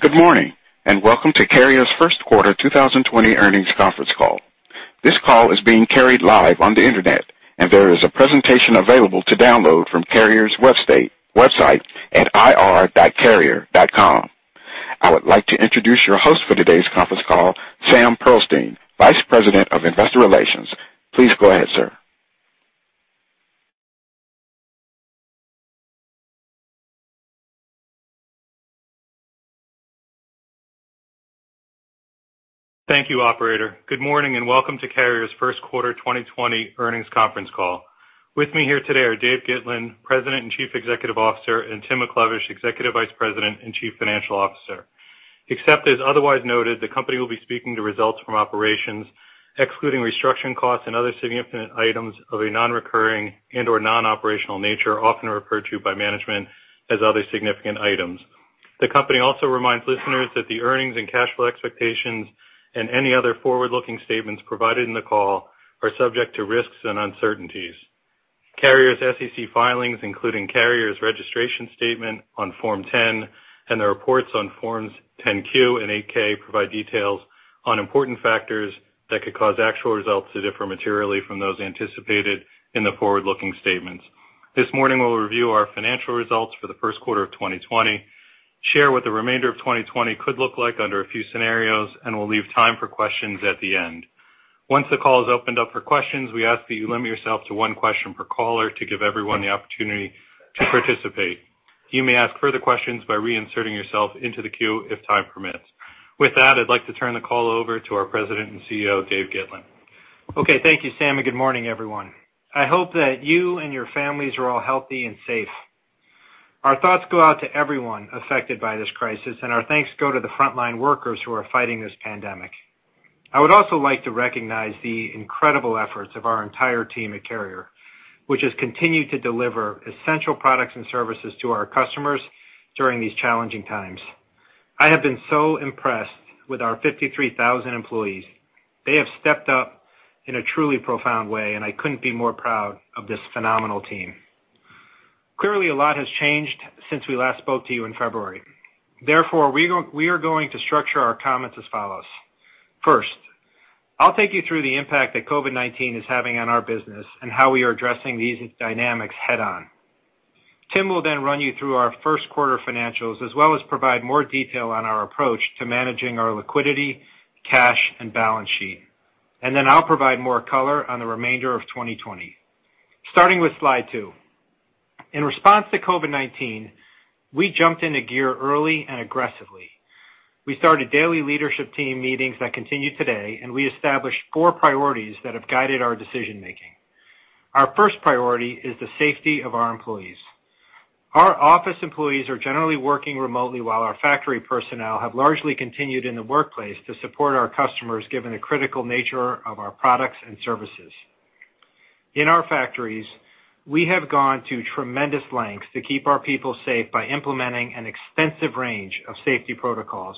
Good morning, and welcome to Carrier's first quarter 2020 earnings conference call. This call is being carried live on the internet, and there is a presentation available to download from Carrier's website at ir.carrier.com. I would like to introduce your host for today's conference call, Sam Pearlstein, Vice President of Investor Relations. Please go ahead, sir. Thank you, operator. Good morning, welcome to Carrier's first quarter 2020 earnings conference call. With me here today are Dave Gitlin, President and Chief Executive Officer, and Tim McLevish, Executive Vice President and Chief Financial Officer. Except as otherwise noted, the company will be speaking to results from operations excluding restructuring costs and other significant items of a non-recurring and/or non-operational nature, often referred to by management as other significant items. The company also reminds listeners that the earnings and cash flow expectations and any other forward-looking statements provided in the call are subject to risks and uncertainties. Carrier's SEC filings, including Carrier's registration statement on Form 10 and the reports on Forms 10-Q and 8-K provide details on important factors that could cause actual results to differ materially from those anticipated in the forward-looking statements. This morning, we'll review our financial results for the first quarter of 2020, share what the remainder of 2020 could look like under a few scenarios, and we'll leave time for questions at the end. Once the call is opened up for questions, we ask that you limit yourself to one question per caller to give everyone the opportunity to participate. You may ask further questions by reinserting yourself into the queue if time permits. With that, I'd like to turn the call over to our President and CEO, Dave Gitlin. Okay, thank you, Sam, and good morning, everyone. I hope that you and your families are all healthy and safe. Our thoughts go out to everyone affected by this crisis, and our thanks go to the frontline workers who are fighting this pandemic. I would also like to recognize the incredible efforts of our entire team at Carrier, which has continued to deliver essential products and services to our customers during these challenging times. I have been so impressed with our 53,000 employees. They have stepped up in a truly profound way, and I couldn't be more proud of this phenomenal team. Clearly, a lot has changed since we last spoke to you in February. Therefore, we are going to structure our comments as follows. First, I'll take you through the impact that COVID-19 is having on our business and how we are addressing these dynamics head-on. Tim will then run you through our first quarter financials as well as provide more detail on our approach to managing our liquidity, cash, and balance sheet. I'll provide more color on the remainder of 2020. Starting with slide two. In response to COVID-19, we jumped into gear early and aggressively. We started daily leadership team meetings that continue today, and we established four priorities that have guided our decision-making. Our first priority is the safety of our employees. Our office employees are generally working remotely while our factory personnel have largely continued in the workplace to support our customers, given the critical nature of our products and services. In our factories, we have gone to tremendous lengths to keep our people safe by implementing an extensive range of safety protocols,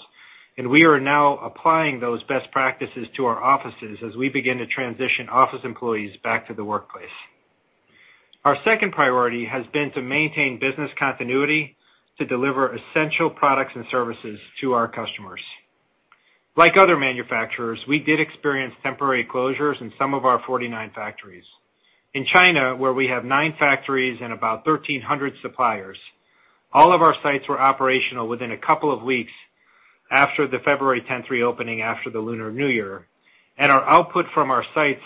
and we are now applying those best practices to our offices as we begin to transition office employees back to the workplace. Our second priority has been to maintain business continuity to deliver essential products and services to our customers. Like other manufacturers, we did experience temporary closures in some of our 49 factories. In China, where we have nine factories and about 1,300 suppliers, all of our sites were operational within a couple of weeks after the February 10th reopening after the Lunar New Year, and our output from our sites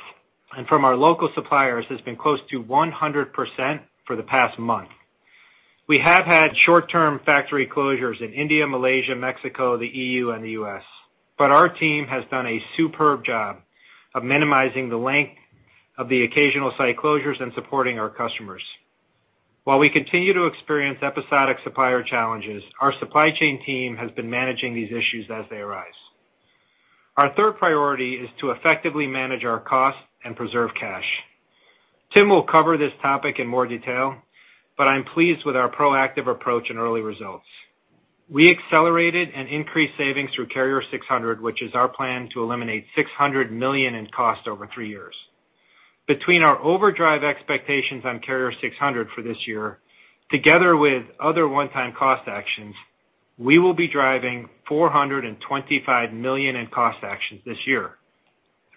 and from our local suppliers has been close to 100% for the past month. We have had short-term factory closures in India, Malaysia, Mexico, the EU, and the U.S., but our team has done a superb job of minimizing the length of the occasional site closures and supporting our customers. While we continue to experience episodic supplier challenges, our supply chain team has been managing these issues as they arise. Our third priority is to effectively manage our costs and preserve cash. Tim will cover this topic in more detail, but I'm pleased with our proactive approach and early results. We accelerated and increased savings through Carrier 600, which is our plan to eliminate $600 million in cost over three years. Between our overdrive expectations on Carrier 600 for this year, together with other one-time cost actions, we will be driving $425 million in cost actions this year.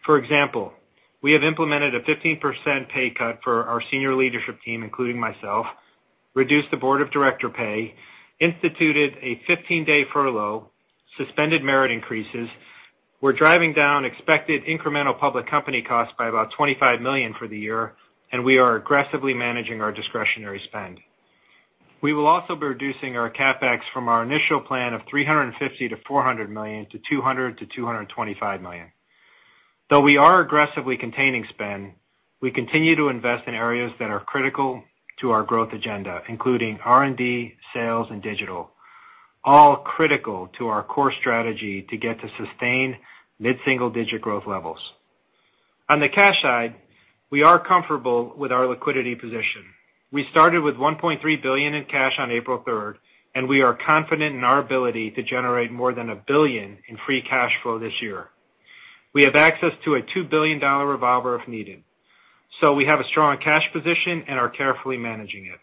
For example, we have implemented a 15% pay cut for our senior leadership team, including myself, reduced the board of director pay, instituted a 15-day furlough, suspended merit increases. We're driving down expected incremental public company costs by about $25 million for the year, and we are aggressively managing our discretionary spend. We will also be reducing our CapEx from our initial plan of $350 million-$400 million to $200 million-$225 million. Though we are aggressively containing spend, we continue to invest in areas that are critical to our growth agenda, including R&D, sales, and digital, all critical to our core strategy to get to sustained mid-single digit growth levels. On the cash side, we are comfortable with our liquidity position. We started with $1.3 billion in cash on April 3rd, and we are confident in our ability to generate more than $1 billion in free cash flow this year. We have access to a $2 billion revolver if needed. We have a strong cash position and are carefully managing it.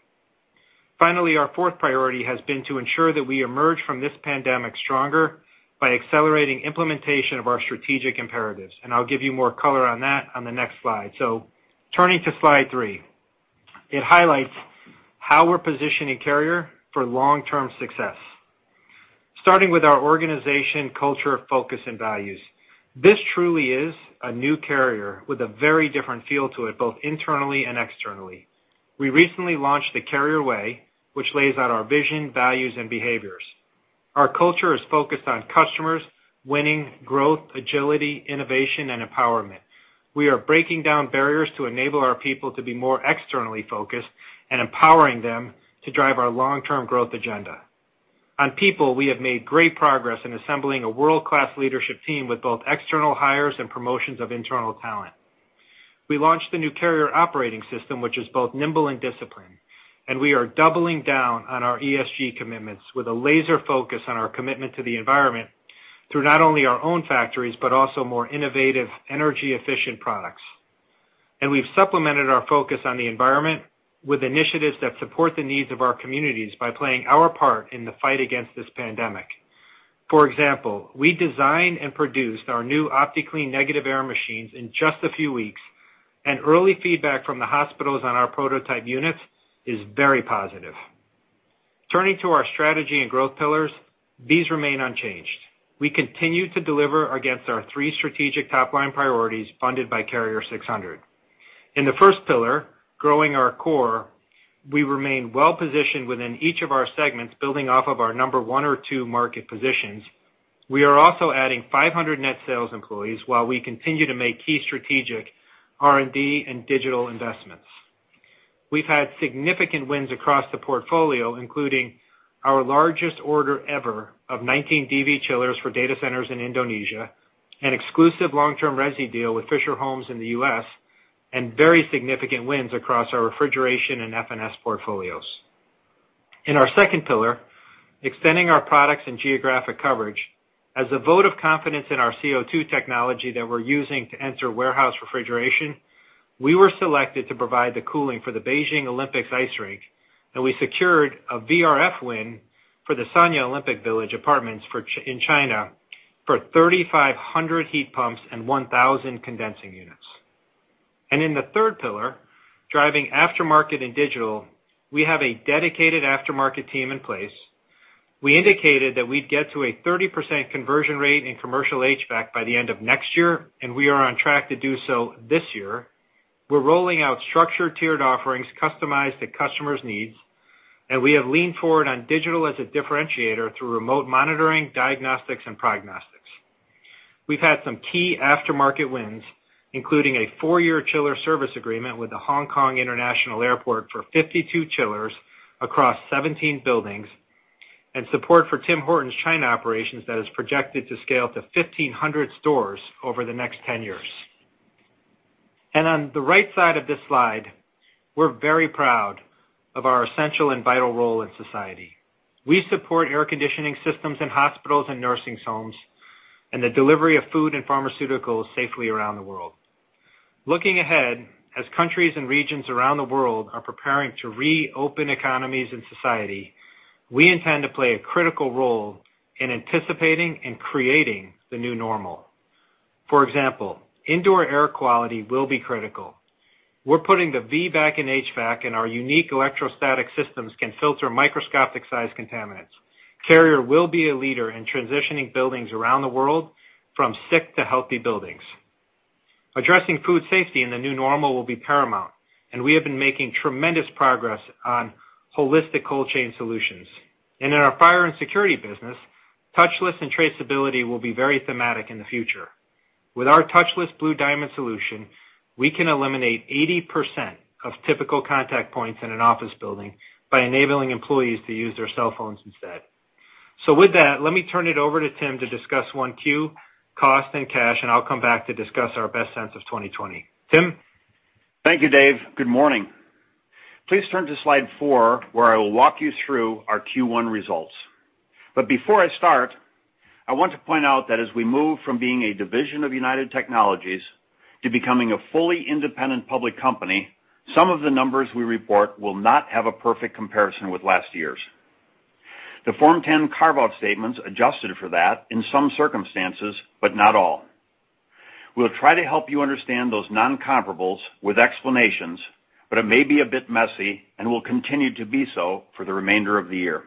Finally, our fourth priority has been to ensure that we emerge from this pandemic stronger by accelerating implementation of our strategic imperatives, and I'll give you more color on that on the next slide. Turning to slide three. It highlights how we're positioning Carrier for long-term success. Starting with our organization, culture, focus, and values. This truly is a new Carrier with a very different feel to it, both internally and externally. We recently launched The Carrier Way, which lays out our vision, values, and behaviors. Our culture is focused on customers, winning, growth, agility, innovation, and empowerment. We are breaking down barriers to enable our people to be more externally focused and empowering them to drive our long-term growth agenda. On people, we have made great progress in assembling a world-class leadership team with both external hires and promotions of internal talent. We launched the new Carrier operating system, which is both nimble and disciplined, and we are doubling down on our ESG commitments with a laser focus on our commitment to the environment through not only our own factories, but also more innovative, energy-efficient products. We've supplemented our focus on the environment with initiatives that support the needs of our communities by playing our part in the fight against this pandemic. For example, we designed and produced our new OptiClean negative air machines in just a few weeks, and early feedback from the hospitals on our prototype units is very positive. Turning to our strategy and growth pillars, these remain unchanged. We continue to deliver against our three strategic top-line priorities funded by Carrier 600. In the first pillar, growing our core, we remain well positioned within each of our segments, building off of our number 1 or 2 market positions. We are also adding 500 net sales employees while we continue to make key strategic R&D and digital investments. We've had significant wins across the portfolio, including our largest order ever of 19DV chillers for data centers in Indonesia, an exclusive long-term resi deal with Fischer Homes in the U.S., and very significant wins across our refrigeration and FNS portfolios. In our second pillar, extending our products and geographic coverage. As a vote of confidence in our CO2 technology that we're using to enter warehouse refrigeration, we were selected to provide the cooling for the Beijing Olympics ice rink. We secured a VRF win for the Sanya Olympic Village Apartments in China for 3,500 heat pumps and 1,000 condensing units. In the third pillar, driving aftermarket and digital, we have a dedicated aftermarket team in place. We indicated that we'd get to a 30% conversion rate in commercial HVAC by the end of next year. We are on track to do so this year. We're rolling out structured tiered offerings customized to customers' needs. We have leaned forward on digital as a differentiator through remote monitoring, diagnostics, and prognostics. We've had some key aftermarket wins, including a four-year chiller service agreement with the Hong Kong International Airport for 52 chillers across 17 buildings, and support for Tim Hortons' China operations that is projected to scale to 1,500 stores over the next 10 years. On the right side of this slide, we're very proud of our essential and vital role in society. We support air conditioning systems in hospitals and nursing homes, and the delivery of food and pharmaceuticals safely around the world. Looking ahead, as countries and regions around the world are preparing to reopen economies and society, we intend to play a critical role in anticipating and creating the new normal. For example, indoor air quality will be critical. We're putting the V back in HVAC, and our unique electrostatic systems can filter microscopic-sized contaminants. Carrier will be a leader in transitioning buildings around the world from sick to healthy buildings. Addressing food safety in the new normal will be paramount, we have been making tremendous progress on holistic cold chain solutions. In our fire and security business, touchless and traceability will be very thematic in the future. With our touchless BlueDiamond solution, we can eliminate 80% of typical contact points in an office building by enabling employees to use their cell phones instead. With that, let me turn it over to Tim to discuss 1Q, cost, and cash, and I'll come back to discuss our best sense of 2020. Tim? Thank you, Dave. Good morning. Please turn to slide four, where I will walk you through our Q1 results. Before I start, I want to point out that as we move from being a division of United Technologies to becoming a fully independent public company, some of the numbers we report will not have a perfect comparison with last year's. The Form 10 carve-out statements adjusted for that in some circumstances, but not all. We'll try to help you understand those non-comparables with explanations, but it may be a bit messy and will continue to be so for the remainder of the year.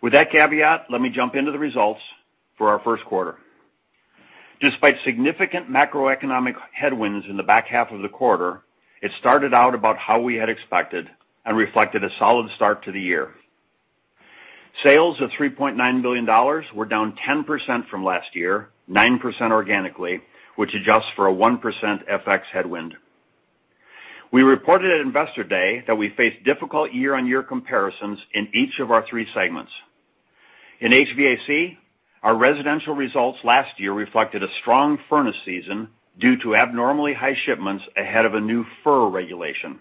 With that caveat, let me jump into the results for our first quarter. Despite significant macroeconomic headwinds in the back half of the quarter, it started out about how we had expected and reflected a solid start to the year. Sales of $3.9 billion were down 10% from last year, 9% organically, which adjusts for a 1% FX headwind. We reported at Investor Day that we face difficult year-on-year comparisons in each of our three segments. In HVAC, our residential results last year reflected a strong furnace season due to abnormally high shipments ahead of a new FER regulation.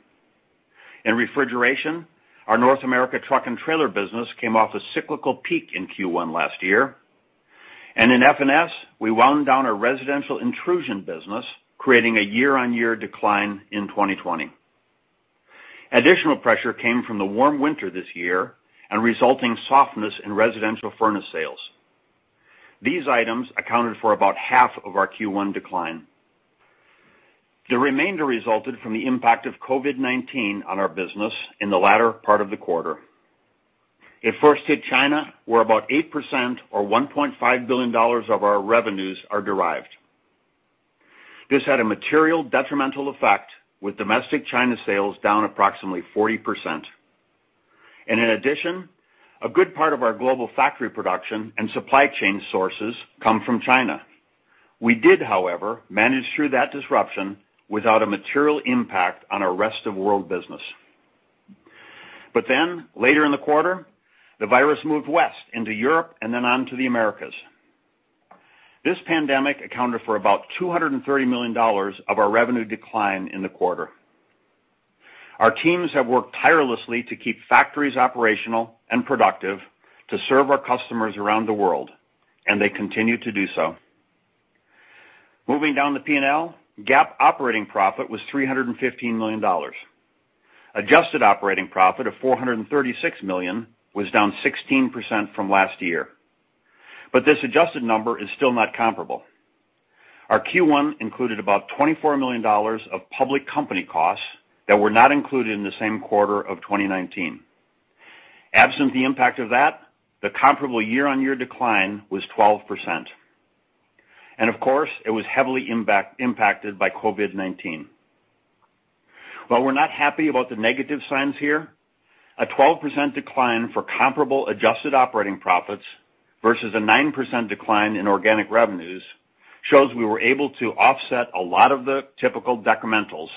In refrigeration, our North America truck and trailer business came off a cyclical peak in Q1 last year. In FNS, we wound down our residential intrusion business, creating a year-on-year decline in 2020. Additional pressure came from the warm winter this year and resulting softness in residential furnace sales. These items accounted for about half of our Q1 decline. The remainder resulted from the impact of COVID-19 on our business in the latter part of the quarter. It first hit China, where about 8% or $1.5 billion of our revenues are derived. This had a material decremental effect with domestic China sales down approximately 40%. In addition, a good part of our global factory production and supply chain sources come from China. We did, however, manage through that disruption without a material impact on our rest-of-world business. Later in the quarter, the virus moved west into Europe and then on to the Americas. This pandemic accounted for about $230 million of our revenue decline in the quarter. Our teams have worked tirelessly to keep factories operational and productive to serve our customers around the world, and they continue to do so. Moving down the P&L, GAAP operating profit was $315 million. Adjusted operating profit of $436 million was down 16% from last year, this adjusted number is still not comparable. Our Q1 included about $24 million of public company costs that were not included in the same quarter of 2019. Absent the impact of that, the comparable year-on-year decline was 12%. Of course, it was heavily impacted by COVID-19. While we're not happy about the negative signs here, a 12% decline for comparable adjusted operating profits versus a 9% decline in organic revenues shows we were able to offset a lot of the typical decrementals,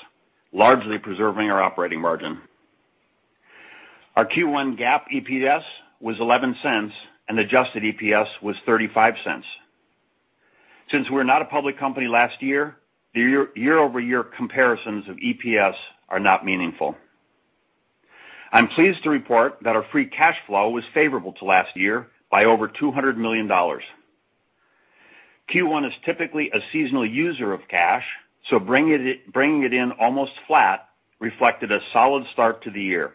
largely preserving our operating margin. Our Q1 GAAP EPS was $0.11 and adjusted EPS was $0.35. Since we were not a public company last year-over-year comparisons of EPS are not meaningful. I'm pleased to report that our free cash flow was favorable to last year by over $200 million. Q1 is typically a seasonal user of cash, bringing it in almost flat reflected a solid start to the year.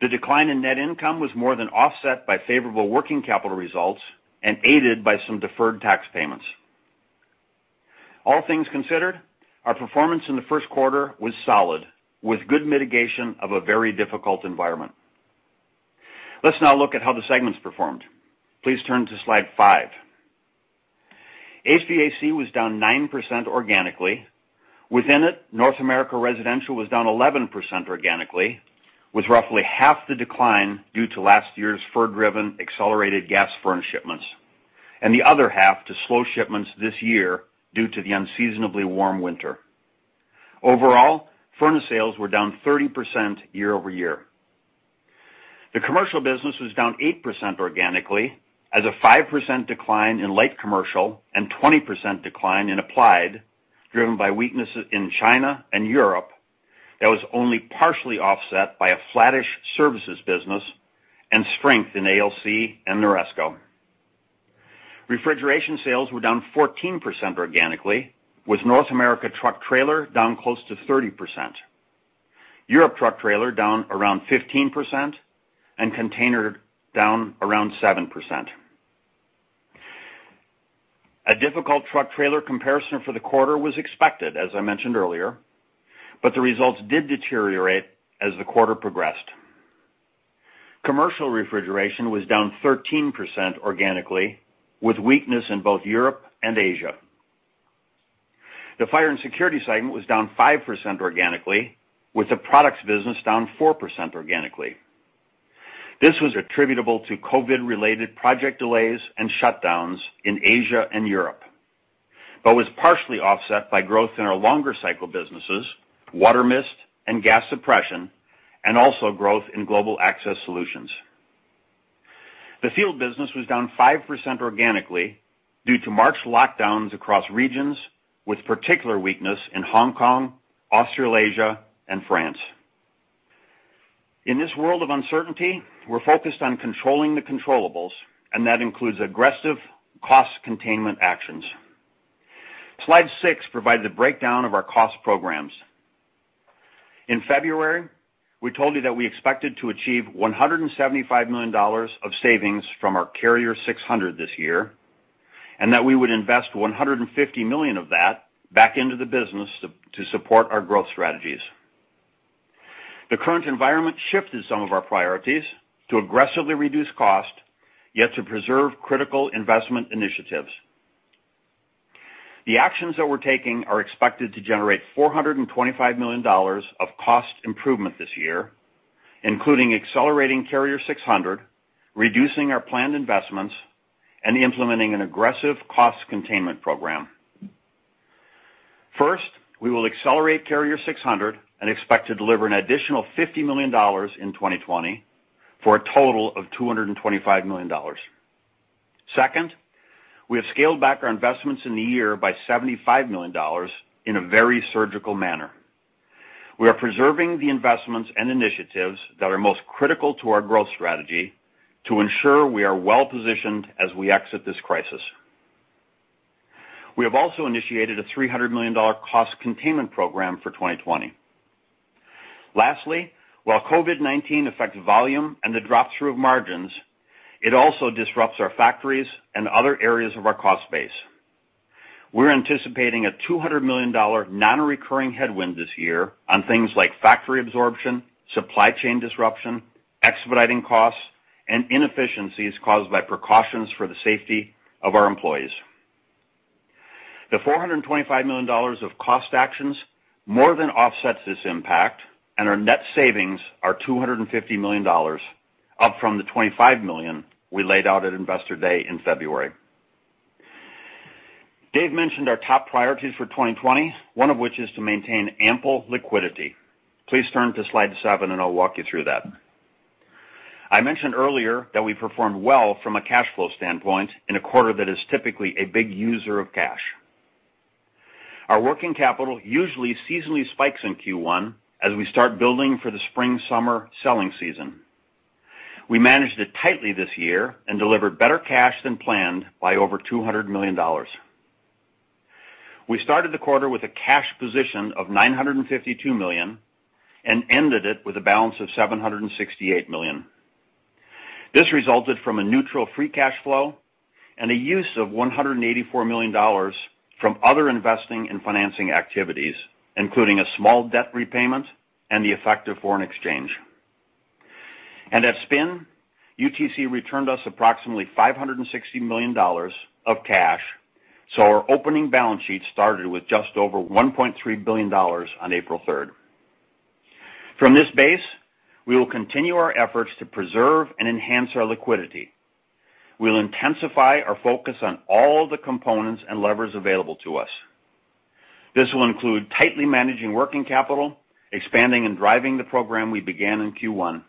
The decline in net income was more than offset by favorable working capital results and aided by some deferred tax payments. All things considered, our performance in the first quarter was solid, with good mitigation of a very difficult environment. Let's now look at how the segments performed. Please turn to slide five. HVAC was down 9% organically. Within it, North America Residential was down 11% organically, with roughly half the decline due to last year's FER-driven accelerated gas furnace shipments, and the other half to slow shipments this year due to the unseasonably warm winter. Overall, furnace sales were down 30% year-over-year. The commercial business was down 8% organically as a 5% decline in light commercial and 20% decline in applied, driven by weaknesses in China and Europe that was only partially offset by a flattish services business and strength in ALC and NORESCO. Refrigeration sales were down 14% organically, with North America truck trailer down close to 30%. Europe truck trailer down 15% and container down 7%. A difficult truck trailer comparison for the quarter was expected, as I mentioned earlier, but the results did deteriorate as the quarter progressed. Commercial refrigeration was down 13% organically, with weakness in both Europe and Asia. The fire and security segment was down 5% organically, with the products business down 4% organically. This was attributable to COVID-related project delays and shutdowns in Asia and Europe, but was partially offset by growth in our longer cycle businesses, water mist and gas suppression, and also growth in global access solutions. The field business was down 5% organically due to March lockdowns across regions, with particular weakness in Hong Kong, Australasia, and France. In this world of uncertainty, we're focused on controlling the controllables, and that includes aggressive cost containment actions. Slide six provides a breakdown of our cost programs. In February, we told you that we expected to achieve $175 million of savings from our Carrier 600 this year, and that we would invest $150 million of that back into the business to support our growth strategies. The current environment shifted some of our priorities to aggressively reduce cost, yet to preserve critical investment initiatives. The actions that we're taking are expected to generate $425 million of cost improvement this year, including accelerating Carrier 600, reducing our planned investments, and implementing an aggressive cost containment program. First, we will accelerate Carrier 600 and expect to deliver an additional $50 million in 2020 for a total of $225 million. Second, we have scaled back our investments in the year by $75 million in a very surgical manner. We are preserving the investments and initiatives that are most critical to our growth strategy to ensure we are well-positioned as we exit this crisis. We have also initiated a $300 million cost containment program for 2020. Lastly, while COVID-19 affects volume and the drop-through of margins, it also disrupts our factories and other areas of our cost base. We're anticipating a $200 million non-recurring headwind this year on things like factory absorption, supply chain disruption, expediting costs, and inefficiencies caused by precautions for the safety of our employees. The $425 million of cost actions more than offsets this impact, and our net savings are $250 million, up from the $25 million we laid out at Investor Day in February. Dave mentioned our top priorities for 2020, one of which is to maintain ample liquidity. Please turn to slide seven and I'll walk you through that. I mentioned earlier that we performed well from a cash flow standpoint in a quarter that is typically a big user of cash. Our working capital usually seasonally spikes in Q1 as we start building for the spring/summer selling season. We managed it tightly this year and delivered better cash than planned by over $200 million. We started the quarter with a cash position of $952 million and ended it with a balance of $768 million. This resulted from a neutral free cash flow and a use of $184 million from other investing and financing activities, including a small debt repayment and the effect of foreign exchange. At spin, UTC returned us approximately $560 million of cash. Our opening balance sheet started with just over $1.3 billion on April 3rd. From this base, we will continue our efforts to preserve and enhance our liquidity. We'll intensify our focus on all the components and levers available to us. This will include tightly managing working capital, expanding and driving the program we began in Q1.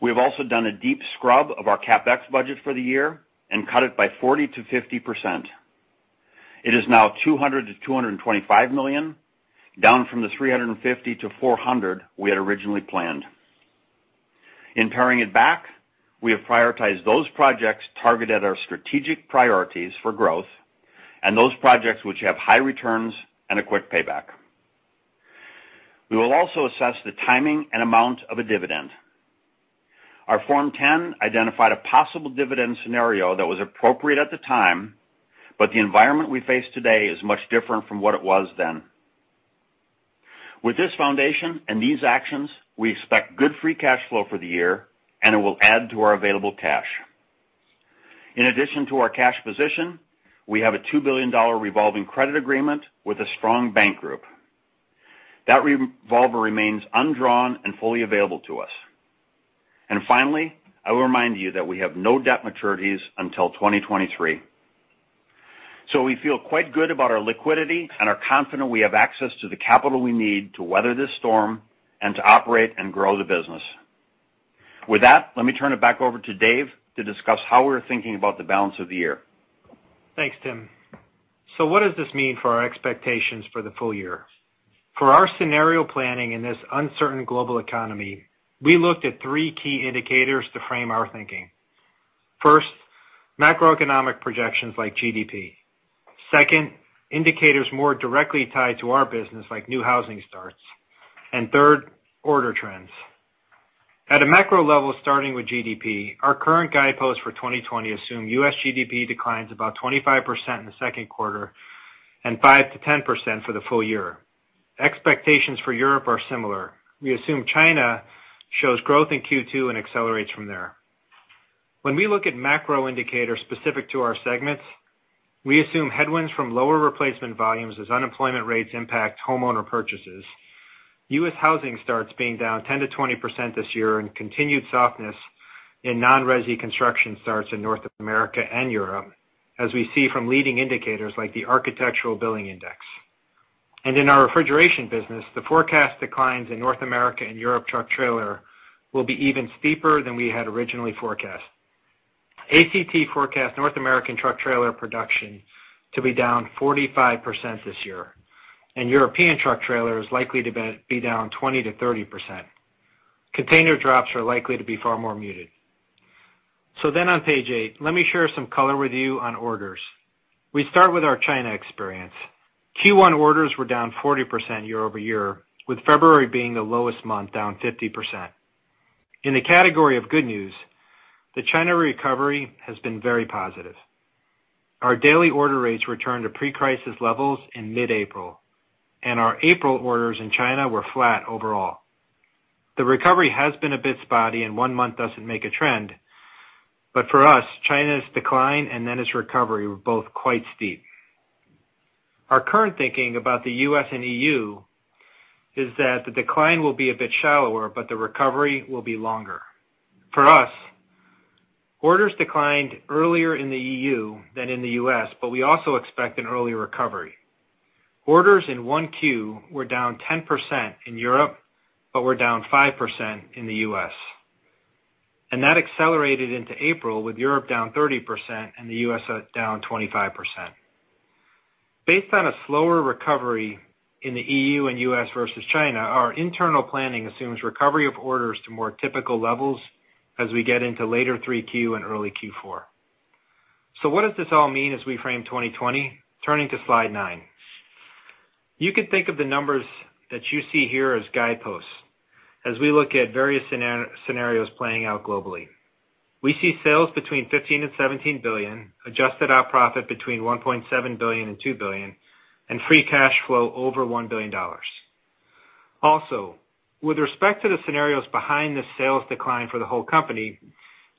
We have also done a deep scrub of our CapEx budget for the year and cut it by 40%-50%. It is now $200 million-$225 million, down from the $350 million-$400 million we had originally planned. In paring it back, we have prioritized those projects targeted at our strategic priorities for growth and those projects which have high returns and a quick payback. We will also assess the timing and amount of a dividend. Our Form 10 identified a possible dividend scenario that was appropriate at the time, but the environment we face today is much different from what it was then. With this foundation and these actions, we expect good free cash flow for the year, and it will add to our available cash. In addition to our cash position, we have a $2 billion revolving credit agreement with a strong bank group. That revolver remains undrawn and fully available to us. Finally, I will remind you that we have no debt maturities until 2023. We feel quite good about our liquidity and are confident we have access to the capital we need to weather this storm and to operate and grow the business. With that, let me turn it back over to Dave to discuss how we're thinking about the balance of the year. Thanks, Tim. What does this mean for our expectations for the full year? For our scenario planning in this uncertain global economy, we looked at three key indicators to frame our thinking. First, macroeconomic projections like GDP. Second, indicators more directly tied to our business, like new housing starts. Third, order trends. At a macro level, starting with GDP, our current guideposts for 2020 assume U.S. GDP declines about 25% in the second quarter and 5%-10% for the full year. Expectations for Europe are similar. We assume China shows growth in Q2 and accelerates from there. When we look at macro indicators specific to our segments, we assume headwinds from lower replacement volumes as unemployment rates impact homeowner purchases. U.S. housing starts being down 10%-20% this year and continued softness in non-resi construction starts in North America and Europe, as we see from leading indicators like the Architectural Billings Index. In our refrigeration business, the forecast declines in North America and Europe truck trailer will be even steeper than we had originally forecast. ACT forecasts North American truck trailer production to be down 45% this year, and European truck trailer is likely to be down 20%-30%. Container drops are likely to be far more muted. On page eight, let me share some color with you on orders. We start with our China experience. Q1 orders were down 40% year-over-year, with February being the lowest month, down 50%. In the category of good news, the China recovery has been very positive. Our daily order rates returned to pre-crisis levels in mid-April, and our April orders in China were flat overall. The recovery has been a bit spotty, and one month doesn't make a trend. For us, China's decline and then its recovery were both quite steep. Our current thinking about the U.S. and E.U. is that the decline will be a bit shallower, but the recovery will be longer. For us, orders declined earlier in the E.U. than in the U.S., but we also expect an early recovery. Orders in 1Q were down 10% in Europe, but were down 5% in the U.S. That accelerated into April, with Europe down 30% and the U.S. down 25%. Based on a slower recovery in the E.U. and U.S. versus China, our internal planning assumes recovery of orders to more typical levels as we get into later 3Q and early Q4. What does this all mean as we frame 2020? Turning to slide nine. You can think of the numbers that you see here as guideposts as we look at various scenarios playing out globally. We see sales between $15 billion and $17 billion, adjusted our profit between $1.7 billion and $2 billion, and free cash flow over $1 billion. With respect to the scenarios behind the sales decline for the whole company,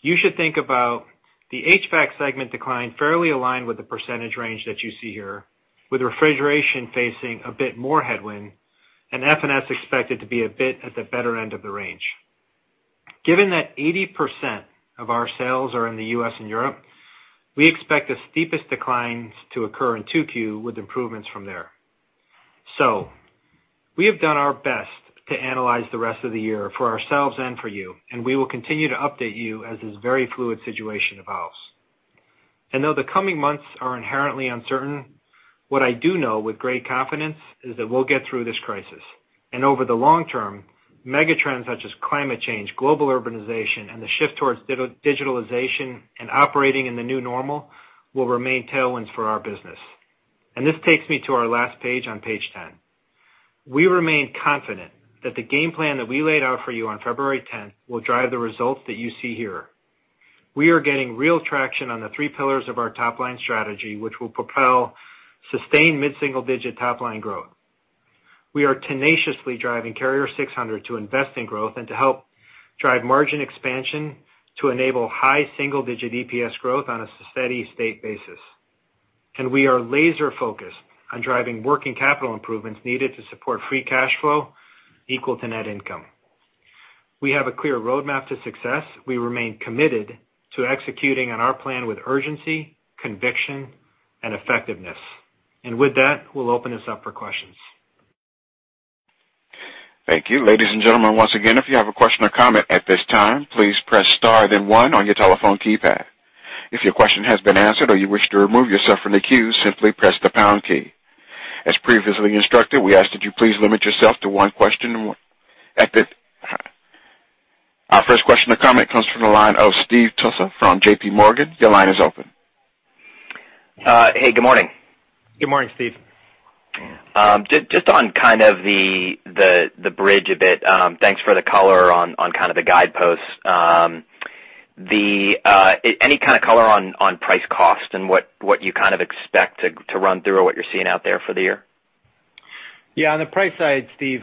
you should think about the HVAC segment decline fairly aligned with the percentage range that you see here, with refrigeration facing a bit more headwind and FNS expected to be a bit at the better end of the range. Given that 80% of our sales are in the U.S. and Europe, we expect the steepest declines to occur in 2Q with improvements from there. We have done our best to analyze the rest of the year for ourselves and for you, and we will continue to update you as this very fluid situation evolves. Though the coming months are inherently uncertain, what I do know with great confidence is that we'll get through this crisis. Over the long term, megatrends such as climate change, global urbanization, and the shift towards digitalization and operating in the new normal will remain tailwinds for our business. This takes me to our last page on page 10. We remain confident that the game plan that we laid out for you on February 10th will drive the results that you see here. We are getting real traction on the three pillars of our top-line strategy, which will propel sustained mid-single-digit top-line growth. We are tenaciously driving Carrier 600 to invest in growth and to help drive margin expansion to enable high single-digit EPS growth on a steady state basis. We are laser-focused on driving working capital improvements needed to support free cash flow equal to net income. We have a clear roadmap to success. We remain committed to executing on our plan with urgency, conviction, and effectiveness. With that, we'll open this up for questions. Thank you. Ladies and gentlemen, once again, if you have a question or comment at this time, please press star then one on your telephone keypad. If your question has been answered or you wish to remove yourself from the queue, simply press the pound key. As previously instructed, we ask that you please limit yourself to one question and one. Our first question or comment comes from the line of Steve Tusa from JPMorgan. Your line is open. Hey, good morning. Good morning, Steve. Just on kind of the bridge a bit. Thanks for the color on kind of the guideposts. Any kind of color on price cost and what you kind of expect to run through or what you're seeing out there for the year? Yeah. On the price side, Steve,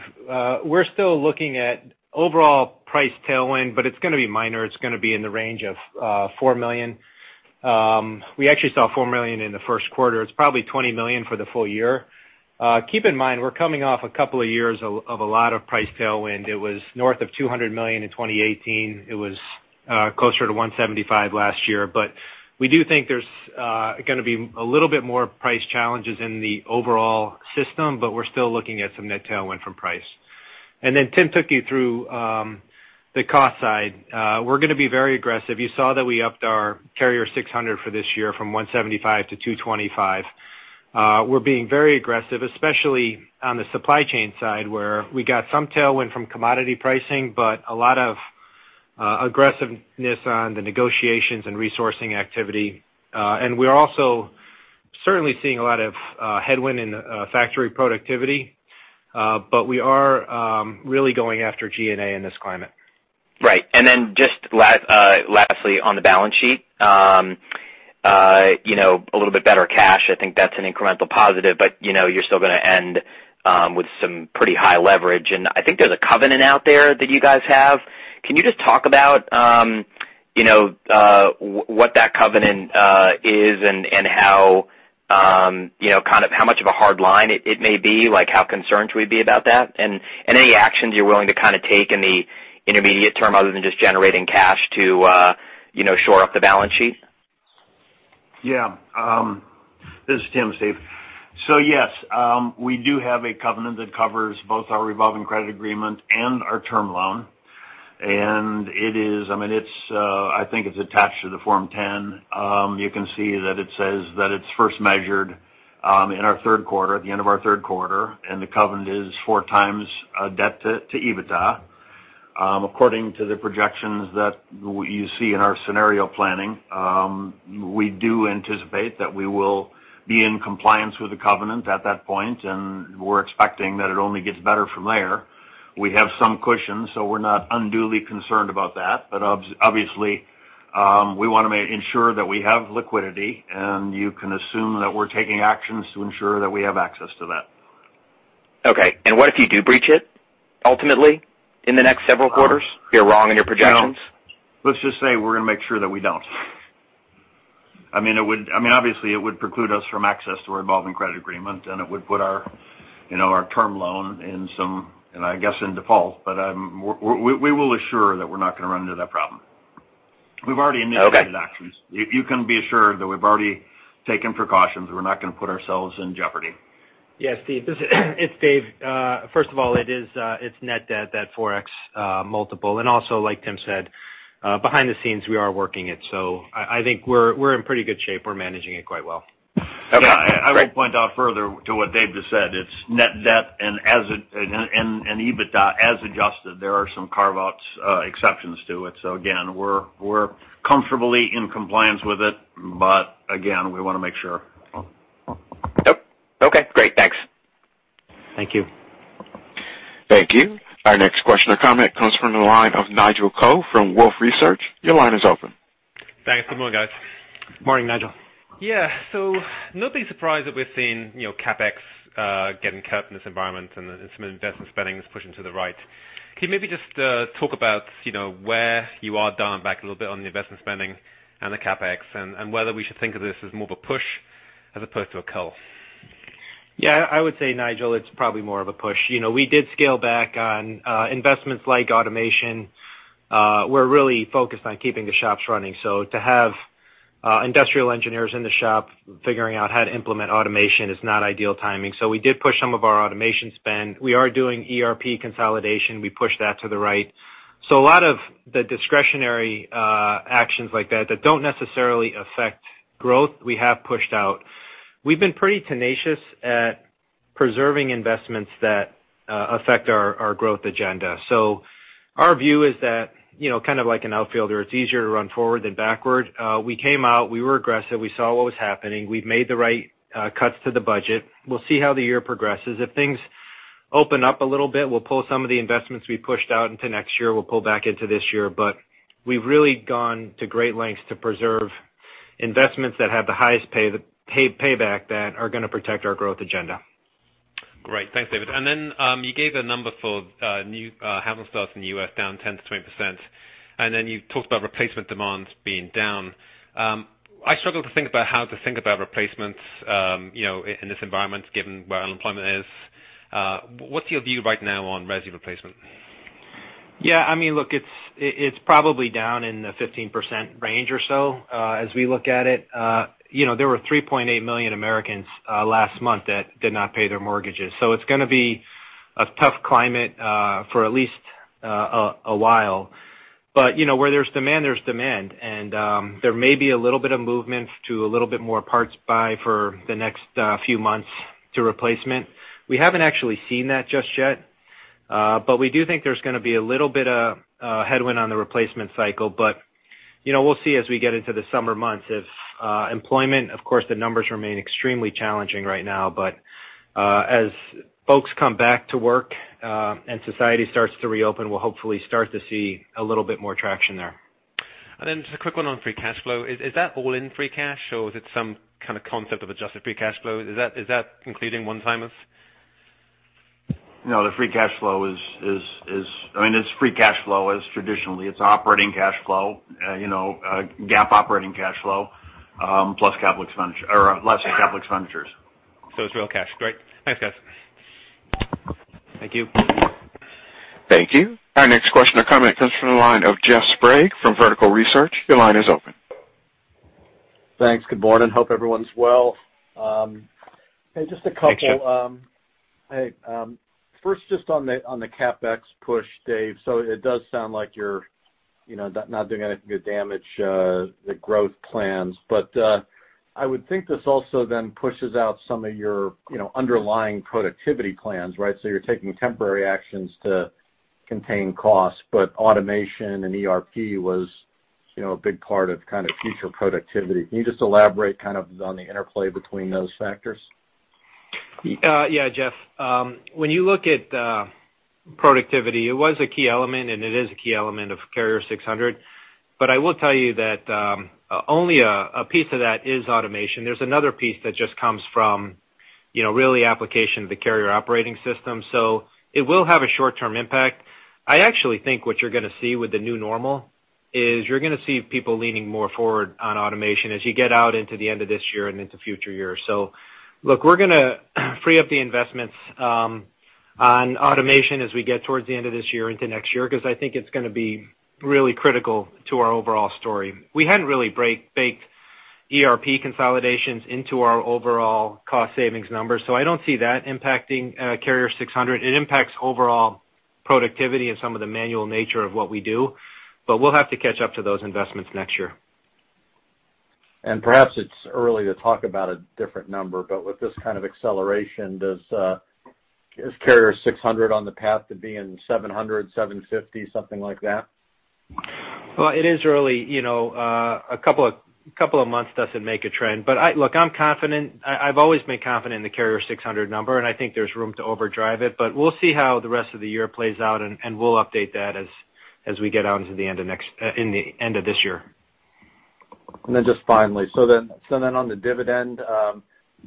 we're still looking at overall price tailwind, but it's going to be minor. It's going to be in the range of $4 million. We actually saw $4 million in the first quarter. It's probably $20 million for the full year. Keep in mind, we're coming off a couple of years of a lot of price tailwind. It was north of $200 million in 2018. It was closer to $175 million last year. We do think there's going to be a little bit more price challenges in the overall system, but we're still looking at some net tailwind from price. Tim took you through the cost side. We're going to be very aggressive. You saw that we upped our Carrier 600 for this year from $175 million-$225 million. We're being very aggressive, especially on the supply chain side, where we got some tailwind from commodity pricing, but a lot of aggressiveness on the negotiations and resourcing activity. We're also certainly seeing a lot of headwind in factory productivity, but we are really going after G&A in this climate. Right. Just lastly on the balance sheet. A little bit better cash. I think that's an incremental positive, but you're still going to end with some pretty high leverage, and I think there's a covenant out there that you guys have. Can you just talk about what that covenant is and how much of a hard line it may be? How concerned should we be about that? Any actions you're willing to kind of take in the intermediate term other than just generating cash to shore up the balance sheet? This is Tim, Steve. Yes, we do have a covenant that covers both our revolving credit agreement and our term loan. I think it's attached to the Form 10. You can see that it says that it's first measured in our third quarter, at the end of our third quarter, and the covenant is four times debt to EBITDA. According to the projections that you see in our scenario planning, we do anticipate that we will be in compliance with the covenant at that point, and we're expecting that it only gets better from there. We have some cushion, we're not unduly concerned about that. Obviously, we want to ensure that we have liquidity, and you can assume that we're taking actions to ensure that we have access to that. Okay. What if you do breach it ultimately in the next several quarters? You're wrong in your projections? Let's just say we're going to make sure that we don't. Obviously it would preclude us from access to our revolving credit agreement, and it would put our term loan in default, but we will assure that we're not going to run into that problem. We've already initiated actions. Okay. You can be assured that we've already taken precautions. We're not going to put ourselves in jeopardy. Yeah, Steve, this is Dave. First of all, it's net debt, that 4x multiple, also, like Tim said, behind the scenes, we are working it. I think we're in pretty good shape. We're managing it quite well. Yeah. I would point out further to what Dave just said, it's net debt and EBITDA as adjusted. There are some carve-outs, exceptions to it. Again, we're comfortably in compliance with it, but again, we want to make sure. Yep. Okay, great. Thanks. Thank you. Thank you. Our next question or comment comes from the line of Nigel Coe from Wolfe Research. Your line is open. Thanks. Good morning, guys. Morning, Nigel. Yeah. Not being surprised that we've seen CapEx getting cut in this environment and some investment spending is pushing to the right. Can you maybe just talk about where you are dialing back a little bit on the investment spending and the CapEx, and whether we should think of this as more of a push as opposed to a cull? Yeah, I would say, Nigel, it's probably more of a push. We did scale back on investments like automation. We're really focused on keeping the shops running. To have industrial engineers in the shop figuring out how to implement automation is not ideal timing. We did push some of our automation spend. We are doing ERP consolidation. We pushed that to the right. A lot of the discretionary actions like that don't necessarily affect growth, we have pushed out. We've been pretty tenacious at preserving investments that affect our growth agenda. Our view is that, kind of like an outfielder, it's easier to run forward than backward. We came out, we were aggressive, we saw what was happening. We've made the right cuts to the budget. We'll see how the year progresses. If things open up a little bit, we'll pull some of the investments we pushed out into next year, we'll pull back into this year. We've really gone to great lengths to preserve investments that have the highest payback that are going to protect our growth agenda. Great. Thanks, David. You gave the number for new housing starts in the U.S. down 10%-20%. You talked about replacement demands being down. I struggle to think about how to think about replacements in this environment, given where unemployment is. What's your view right now on resi replacement? Yeah, look, it's probably down in the 15% range or so as we look at it. There were 3.8 million Americans last month that did not pay their mortgages. It's going to be a tough climate for at least a while. Where there's demand, there's demand, and there may be a little bit of movement to a little bit more parts buy for the next few months to replacement. We haven't actually seen that just yet. We do think there's going to be a little bit of a headwind on the replacement cycle. We'll see as we get into the summer months. If employment, of course, the numbers remain extremely challenging right now, but as folks come back to work, and society starts to reopen, we'll hopefully start to see a little bit more traction there. Just a quick one on free cash flow. Is that all-in free cash, or is it some kind of concept of adjusted free cash flow? Is that including one-timers? No, the free cash flow is free cash flow as traditionally. It's operating cash flow, GAAP operating cash flow, plus capital expenditures. Less capital expenditures. It's real cash. Great. Thanks, guys. Thank you. Thank you. Our next question or comment comes from the line of Jeff Sprague from Vertical Research. Your line is open. Thanks. Good morning. Hope everyone's well. Thanks, Jeff. Hey. First, just on the CapEx push, Dave. It does sound like you're not doing anything to damage the growth plans. I would think this also then pushes out some of your underlying productivity plans, right? You're taking temporary actions to contain costs, but automation and ERP was a big part of kind of future productivity. Can you just elaborate kind of on the interplay between those factors? Yeah. Jeff, when you look at productivity, it was a key element, and it is a key element of Carrier 600. I will tell you that only a piece of that is automation. There's another piece that just comes from really application of the Carrier operating system. It will have a short-term impact. I actually think what you're going to see with the new normal is you're going to see people leaning more forward on automation as you get out into the end of this year and into future years. Look, we're going to free up the investments on automation as we get towards the end of this year into next year because I think it's going to be really critical to our overall story. We hadn't really baked ERP consolidations into our overall cost savings numbers, so I don't see that impacting Carrier 600. It impacts overall productivity and some of the manual nature of what we do, but we'll have to catch up to those investments next year. Perhaps it's early to talk about a different number, but with this kind of acceleration, is Carrier 600 on the path to being 700, 750, something like that? Well, it is early. A couple of months doesn't make a trend. Look, I'm confident. I've always been confident in the Carrier 600 number, and I think there's room to overdrive it, but we'll see how the rest of the year plays out, and we'll update that as we get out into the end of this year. Just finally. On the dividend,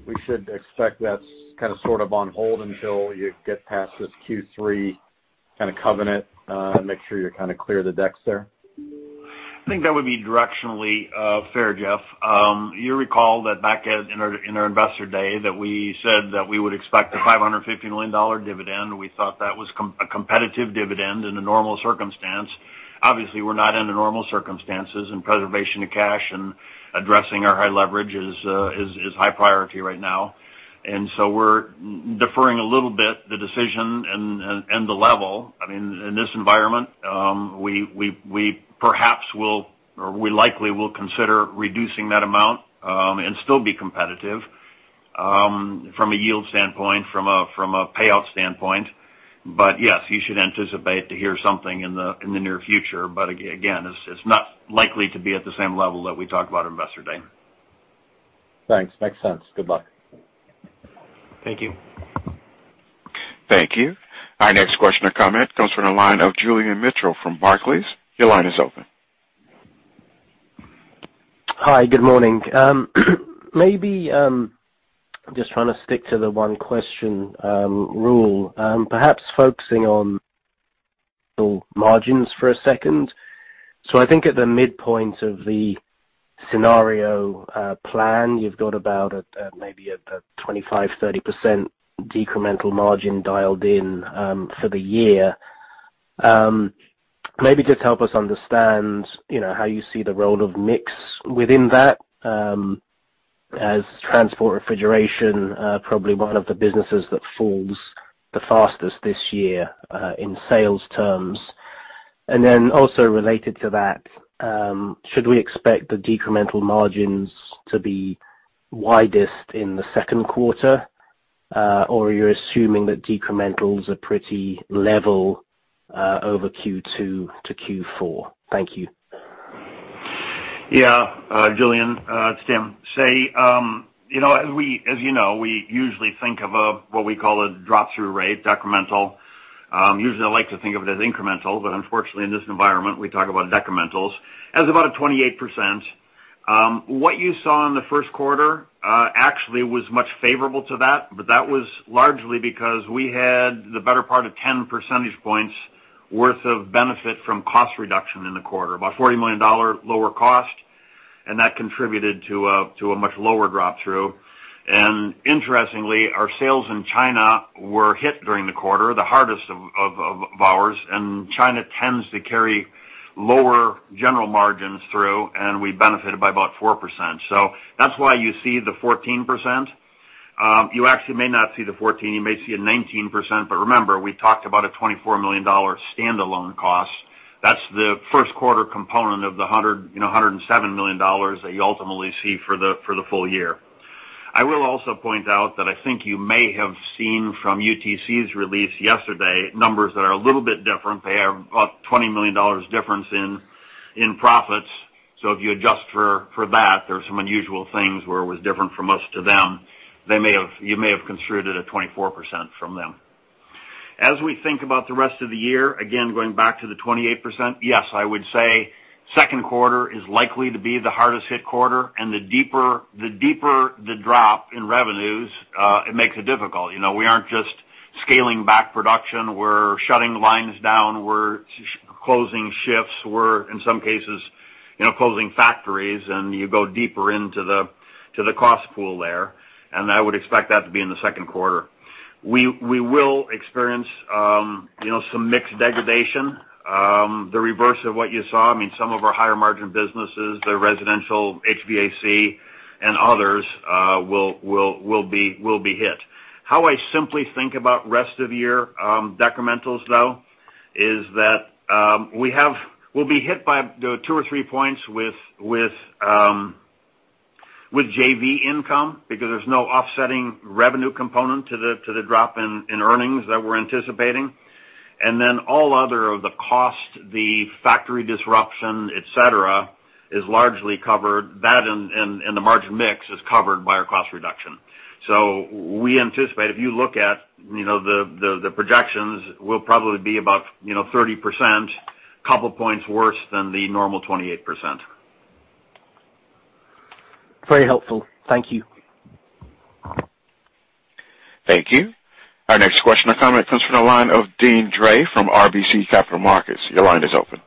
we should expect that's kind of, sort of on hold until you get past this Q3 kind of covenant, make sure you kind of clear the decks there? I think that would be directionally fair, Jeff. You recall that back in our investor day that we said that we would expect a $550 million dividend. We thought that was a competitive dividend in a normal circumstance. Obviously, we're not under normal circumstances, and preservation of cash and addressing our high leverage is high priority right now. We're deferring a little bit the decision and the level. In this environment, we likely will consider reducing that amount, and still be competitive from a yield standpoint, from a payout standpoint. Yes, you should anticipate to hear something in the near future. Again, it's not likely to be at the same level that we talked about at investor day. Thanks. Makes sense. Good luck. Thank you. Thank you. Our next question or comment comes from the line of Julian Mitchell from Barclays. Your line is open. Hi, good morning. Maybe just trying to stick to the one question rule, perhaps focusing on margins for a second. I think at the midpoint of the scenario plan, you've got about maybe a 25%, 30% decremental margin dialed in for the year. Maybe just help us understand how you see the role of mix within that, as transport refrigeration, probably one of the businesses that falls the fastest this year in sales terms. Also related to that, should we expect the decremental margins to be widest in the second quarter? Or you're assuming that decrementals are pretty level over Q2 to Q4? Thank you. Julian, it's Tim. As you know, we usually think of what we call a drop-through rate, decremental. Usually, I like to think of it as incremental, but unfortunately, in this environment, we talk about decrementals, as about a 28%. What you saw in the first quarter actually was much favorable to that, but that was largely because we had the better part of 10 percentage points worth of benefit from cost reduction in the quarter. About $40 million lower cost, and that contributed to a much lower drop-through. Interestingly, our sales in China were hit during the quarter, the hardest of ours, and China tends to carry lower general margins through, and we benefited by about 4%. That's why you see the 14%. You actually may not see the 14%, you may see a 19%, but remember, we talked about a $24 million standalone cost. That's the first quarter component of the $107 million that you ultimately see for the full year. I will also point out that I think you may have seen from UTC's release yesterday numbers that are a little bit different. They have about $20 million difference in profits. If you adjust for that, there are some unusual things where it was different from us to them. You may have construed it at 24% from them. We think about the rest of the year, again, going back to the 28%, yes, I would say second quarter is likely to be the hardest hit quarter, and the deeper the drop in revenues, it makes it difficult. We aren't just scaling back production. We're shutting lines down, we're closing shifts. We're, in some cases, closing factories, and you go deeper into the cost pool there. I would expect that to be in the second quarter. We will experience some mix degradation. The reverse of what you saw. Some of our higher margin businesses, the residential HVAC and others will be hit. How I simply think about rest of year decrementals, though, is that we'll be hit by two or three points with JV income because there's no offsetting revenue component to the drop in earnings that we're anticipating. All other of the cost, the factory disruption, et cetera, is largely covered. The margin mix is covered by our cost reduction. We anticipate if you look at the projections, we'll probably be about 30%, couple points worse than the normal 28%. Very helpful. Thank you. Thank you. Our next question or comment comes from the line of Deane Dray from RBC Capital Markets. Your line is open.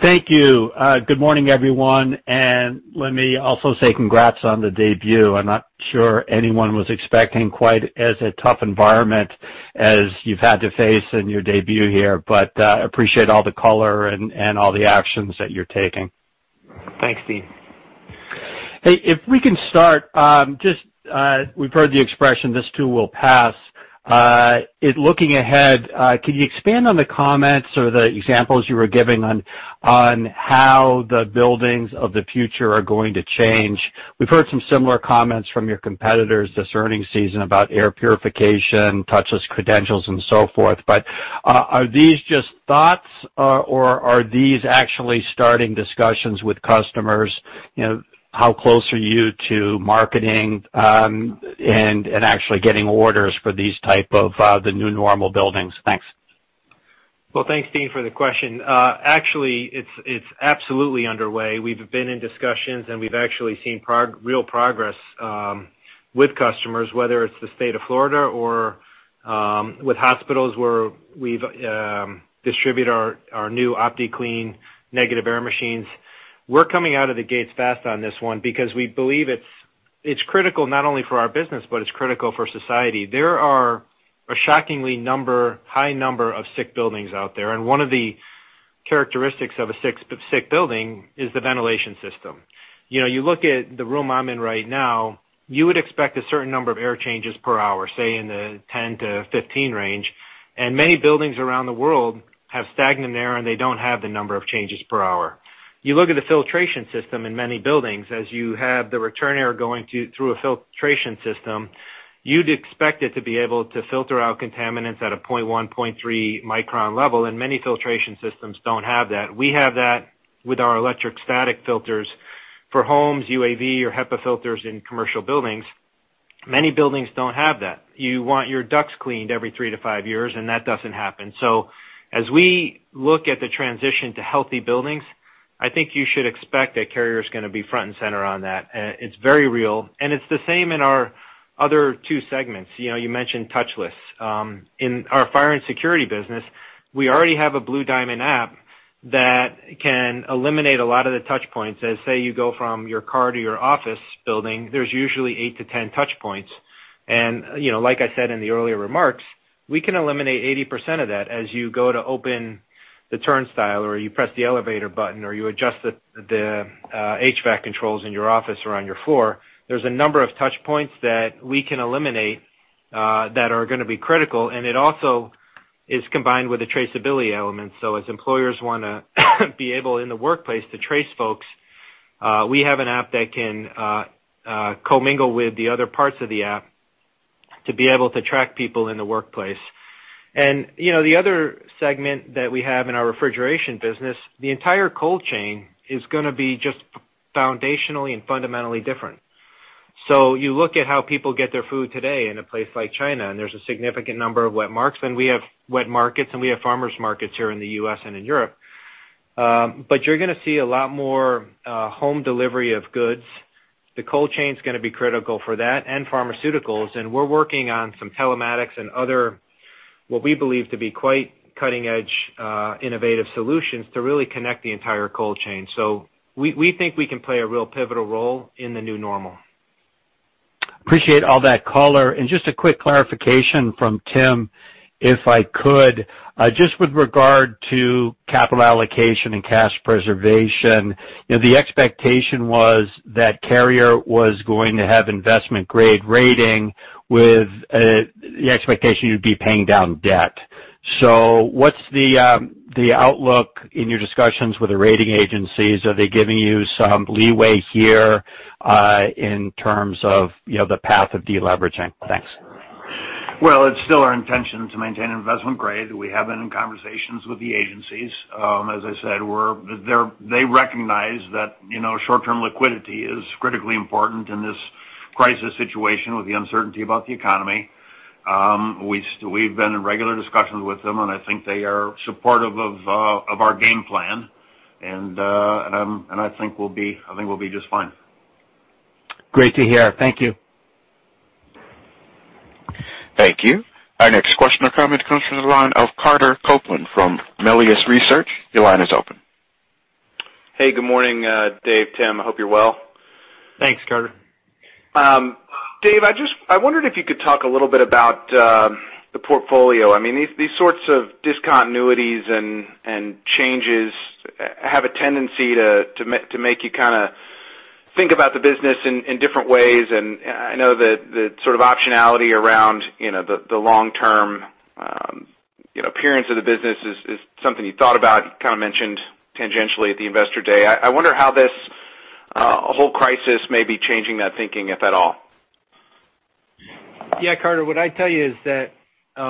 Thank you. Good morning, everyone. Let me also say congrats on the debut. I'm not sure anyone was expecting quite as a tough environment as you've had to face in your debut here, but appreciate all the color and all the actions that you're taking. Thanks, Deane. Hey, if we can start, we've heard the expression, this too will pass. Looking ahead, can you expand on the comments or the examples you were giving on how the buildings of the future are going to change? We've heard some similar comments from your competitors this earning season about air purification, touchless credentials, and so forth. Are these just thoughts, or are these actually starting discussions with customers? How close are you to marketing and actually getting orders for these type of the new normal buildings? Thanks. Well, thanks, Deane, for the question. Actually, it's absolutely underway. We've been in discussions, and we've actually seen real progress with customers, whether it's the state of Florida or with hospitals where we've distribute our new OptiClean negative air machines We're coming out of the gates fast on this one because we believe it's critical not only for our business, but it's critical for society. There are a shockingly high number of sick buildings out there, and one of the characteristics of a sick building is the ventilation system. You look at the room I'm in right now, you would expect a certain number of air changes per hour, say in the 10-15 range. Many buildings around the world have stagnant air, and they don't have the number of changes per hour. You look at the filtration system in many buildings, as you have the return air going through a filtration system, you'd expect it to be able to filter out contaminants at a 0.1, 0.3 micron level, and many filtration systems don't have that. We have that with our electrostatic filters for homes, UAV, or HEPA filters in commercial buildings. Many buildings don't have that. You want your ducts cleaned every three to five years, and that doesn't happen. As we look at the transition to healthy buildings, I think you should expect that Carrier is going to be front and center on that. It's very real, and it's the same in our other two segments. You mentioned touchless. In our fire and security business, we already have a BlueDiamond app that can eliminate a lot of the touch points. As, say, you go from your car to your office building, there's usually eight to 10 touch points. Like I said in the earlier remarks, we can eliminate 80% of that as you go to open the turnstile, or you press the elevator button, or you adjust the HVAC controls in your office or on your floor. There's a number of touch points that we can eliminate, that are going to be critical. It also is combined with the traceability element. As employers want to be able in the workplace to trace folks, we have an app that can co-mingle with the other parts of the app to be able to track people in the workplace. The other segment that we have in our refrigeration business, the entire cold chain is going to be just foundationally and fundamentally different. You look at how people get their food today in a place like China, and there's a significant number of wet markets. We have wet markets, and we have farmers markets here in the U.S. and in Europe. You're going to see a lot more home delivery of goods. The cold chain is going to be critical for that and pharmaceuticals, and we're working on some telematics and other, what we believe to be quite cutting edge, innovative solutions to really connect the entire cold chain. We think we can play a real pivotal role in the new normal. Appreciate all that color. Just a quick clarification from Tim, if I could, just with regard to capital allocation and cash preservation. The expectation was that Carrier was going to have investment-grade rating with the expectation you'd be paying down debt. What's the outlook in your discussions with the rating agencies? Are they giving you some leeway here, in terms of the path of deleveraging? Thanks. Well, it's still our intention to maintain investment grade. We have been in conversations with the agencies. As I said, they recognize that short-term liquidity is critically important in this crisis situation with the uncertainty about the economy. We've been in regular discussions with them, I think they are supportive of our game plan. I think we'll be just fine. Great to hear. Thank you. Thank you. Our next question or comment comes from the line of Carter Copeland from Melius Research. Your line is open. Hey, good morning, Dave, Tim. I hope you're well. Thanks, Carter. Dave, I wondered if you could talk a little bit about the portfolio. These sorts of discontinuities and changes have a tendency to make you kind of think about the business in different ways, and I know that sort of optionality around the long term appearance of the business is something you thought about. You kind of mentioned tangentially at the Investor Day. I wonder how this whole crisis may be changing that thinking, if at all. Yeah, Carter, what I'd tell you is that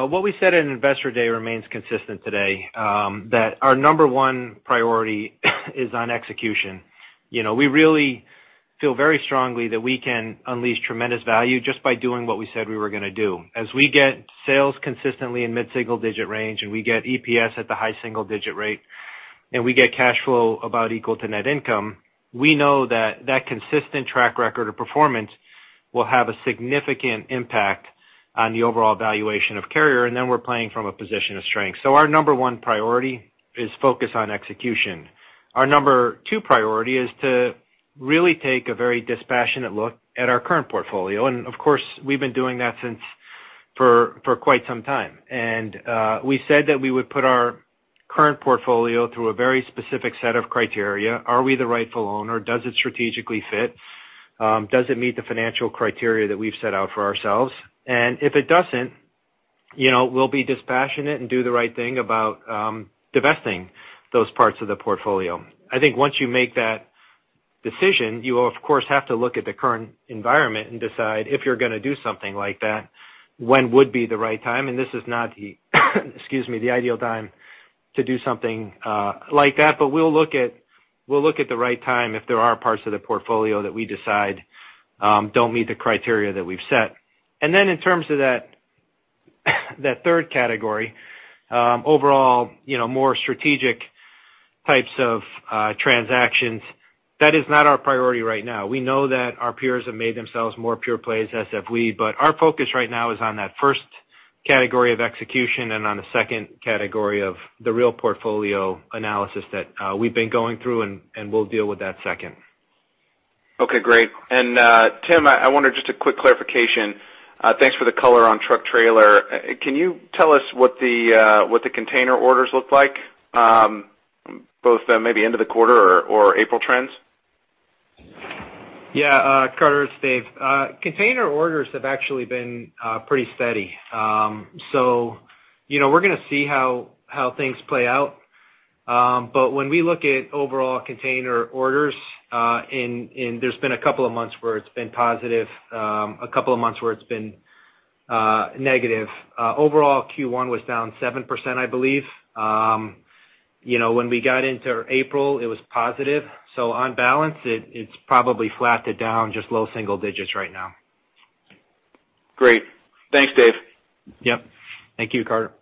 what we said in Investor Day remains consistent today, that our number one priority is on execution. We really feel very strongly that we can unleash tremendous value just by doing what we said we were going to do. As we get sales consistently in mid-single digit range, and we get EPS at the high single digit rate, and we get cash flow about equal to net income, we know that that consistent track record of performance will have a significant impact on the overall valuation of Carrier, and then we're playing from a position of strength. Our number one priority is focus on execution. Our number two priority is to really take a very dispassionate look at our current portfolio. Of course, we've been doing that for quite some time. We said that we would put our current portfolio through a very specific set of criteria. Are we the rightful owner? Does it strategically fit? Does it meet the financial criteria that we've set out for ourselves? If it doesn't, we'll be dispassionate and do the right thing about divesting those parts of the portfolio. I think once you make that decision, you will of course, have to look at the current environment and decide if you're going to do something like that, when would be the right time, and this is not the ideal time to do something like that, but we'll look at the right time if there are parts of the portfolio that we decide don't meet the criteria that we've set. Then in terms of that third category, overall more strategic types of transactions, that is not our priority right now. We know that our peers have made themselves more pure plays, as have we, but our focus right now is on that first category of execution, and on the second category of the real portfolio analysis that we've been going through, and we'll deal with that second. Okay, great. Tim, I wonder, just a quick clarification. Thanks for the color on truck trailer. Can you tell us what the container orders look like? Both maybe end of the quarter or April trends. Yeah. Carter, it's Dave. Container orders have actually been pretty steady. We're going to see how things play out. When we look at overall container orders, and there's been a couple of months where it's been positive, a couple of months where it's been negative. Overall, Q1 was down 7%, I believe. When we got into April, it was positive. On balance, it's probably flat to down, just low single digits right now. Great. Thanks, Dave. Yep. Thank you, Carter.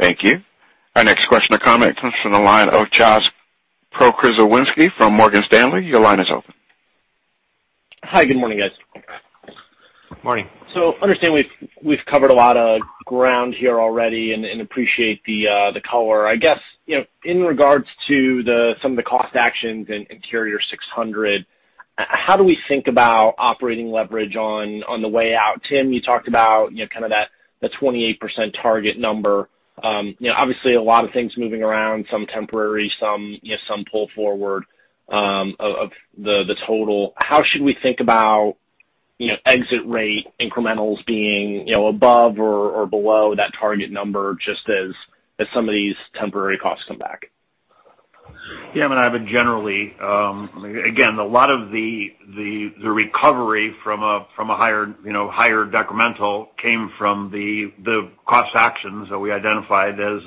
Thank you. Our next question or comment comes from the line of Josh Pokrzywinski from Morgan Stanley. Your line is open. Hi, good morning, guys. Morning. I understand we've covered a lot of ground here already and appreciate the color. I guess, in regards to some of the cost actions in Carrier 600, how do we think about operating leverage on the way out? Tim, you talked about kind of that 28% target number. Obviously, a lot of things moving around, some temporary, some pull forward, of the total. How should we think about exit rate incrementals being above or below that target number, just as some of these temporary costs come back? Yeah, I mean, generally, again, a lot of the recovery from a higher detrimental came from the cost actions that we identified as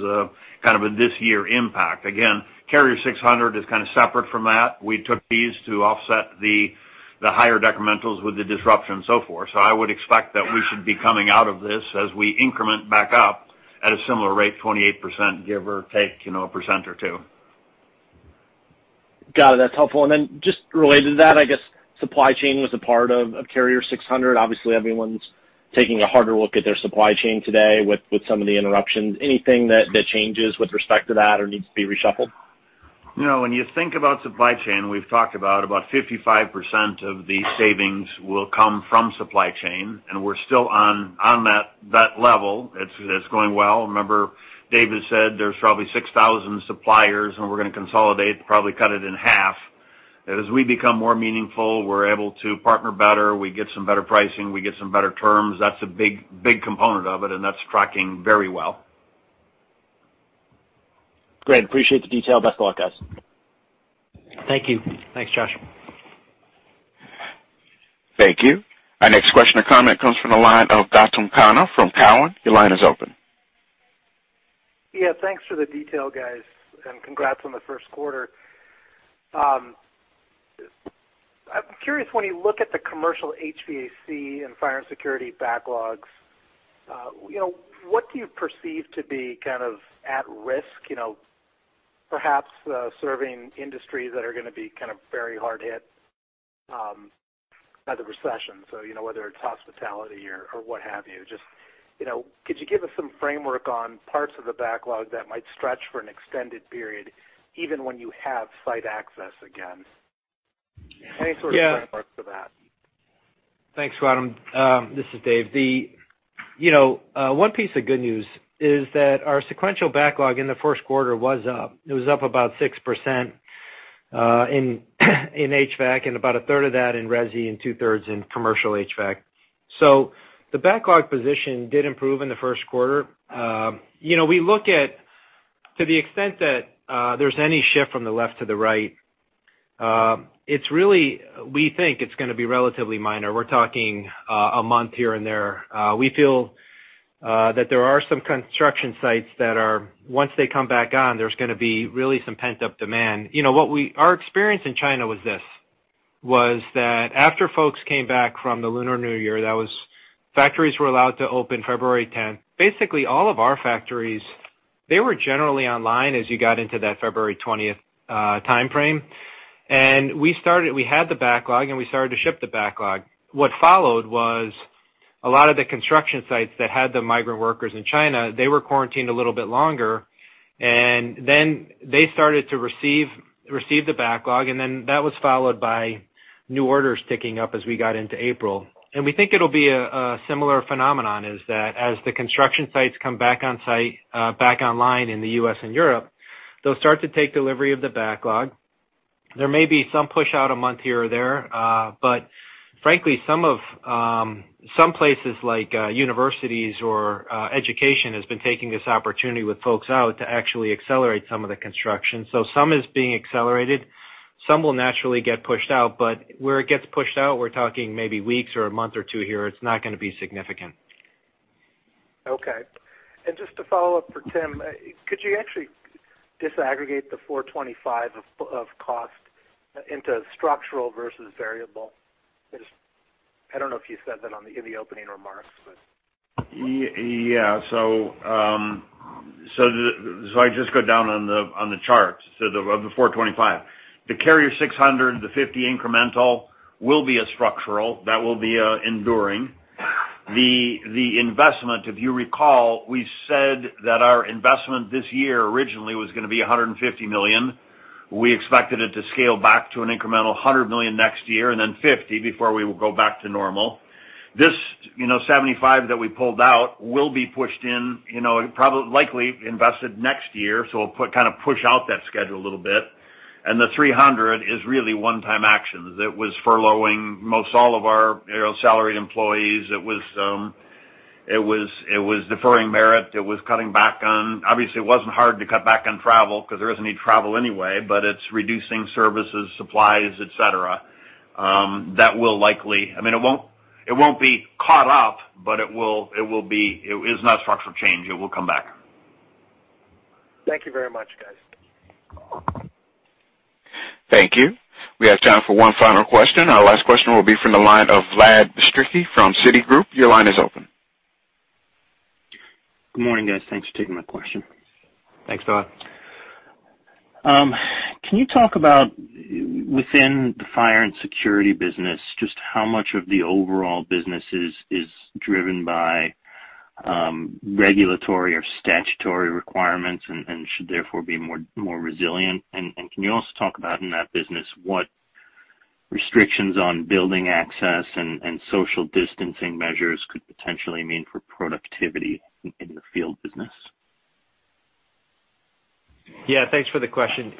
kind of a this year impact. Again, Carrier 600 is kind of separate from that. We took these to offset the higher decrementals with the disruption and so forth. I would expect that we should be coming out of this as we increment back up at a similar rate, 28%, give or take a percent or two. Got it. That's helpful. Just related to that, I guess supply chain was a part of Carrier 600. Obviously, everyone's taking a harder look at their supply chain today with some of the interruptions. Anything that changes with respect to that or needs to be reshuffled? No. When you think about supply chain, we've talked about 55% of the savings will come from supply chain, and we're still on that level. It's going well. Remember Dave has said there's probably 6,000 suppliers, and we're going to consolidate, probably cut it in half. As we become more meaningful, we're able to partner better. We get some better pricing. We get some better terms. That's a big component of it, and that's tracking very well. Great. Appreciate the detail. Best of luck, guys. Thank you. Thanks, Josh. Thank you. Our next question or comment comes from the line of Gautam Khanna from Cowen. Your line is open. Yeah, thanks for the detail, guys, and congrats on the first quarter. I'm curious, when you look at the commercial HVAC and fire and security backlogs, what do you perceive to be kind of at risk, perhaps serving industries that are going to be kind of very hard hit by the recession? Whether it's hospitality or what have you. Could you give us some framework on parts of the backlog that might stretch for an extended period, even when you have site access again? Any sort of framework for that? Thanks, Gautam. This is Dave. One piece of good news is that our sequential backlog in the first quarter was up. It was up about 6% in HVAC, about a third of that in resi and two-thirds in commercial HVAC. The backlog position did improve in the first quarter. We look at, to the extent that there's any shift from the left to the right, we think it's going to be relatively minor. We're talking a month here and there. We feel that there are some construction sites that are, once they come back on, there's going to be really some pent-up demand. Our experience in China was this. Was that after folks came back from the Lunar New Year, factories were allowed to open February 10th. Basically, all of our factories, they were generally online as you got into that February 20th timeframe. We had the backlog, and we started to ship the backlog. What followed was a lot of the construction sites that had the migrant workers in China, they were quarantined a little bit longer, and then they started to receive the backlog, and then that was followed by new orders ticking up as we got into April. We think it'll be a similar phenomenon is that as the construction sites come back on site, back online in the U.S. and Europe, they'll start to take delivery of the backlog. There may be some push out a month here or there. Frankly, some places like universities or education has been taking this opportunity with folks out to actually accelerate some of the construction. Some is being accelerated. Some will naturally get pushed out. Where it gets pushed out, we're talking maybe weeks or a month or two here. It's not going to be significant. Okay. Just to follow up for Tim, could you actually disaggregate the $425 of cost into structural versus variable? I don't know if you said that in the opening remarks. Yeah. So I just go down on the chart. The 425. The Carrier 600, the 50 incremental will be a structural. That will be enduring. The investment, if you recall, we said that our investment this year originally was going to be $150 million. We expected it to scale back to an incremental $100 million next year and then $50 million before we will go back to normal. This $75 million that we pulled out will be pushed in, likely invested next year. It will kind of push out that schedule a little bit. The $300 million is really one-time actions. It was furloughing most all of our salaried employees. It was deferring merit. Obviously, it wasn't hard to cut back on travel because there isn't any travel anyway. It's reducing services, supplies, et cetera. It won't be caught up, but it is not a structural change. It will come back. Thank you very much, guys. Thank you. We have time for one final question. Our last question will be from the line of Vlad Bystricky from Citigroup. Your line is open. Good morning, guys. Thanks for taking my question. Thanks, Vlad. Can you talk about within the fire and security business, just how much of the overall business is driven by regulatory or statutory requirements and should therefore be more resilient? And can you also talk about in that business what restrictions on building access and social distancing measures could potentially mean for productivity in the field business? Yeah, thanks for the question.